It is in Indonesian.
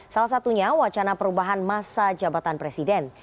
salah satunya wacana perubahan masa jabatan presiden